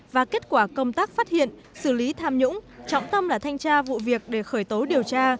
và kết quả công tác phát hiện xử lý tham nhũng trọng tâm là thanh tra vụ việc để khởi tố điều tra